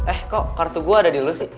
eh kok kartu gue ada di lu sih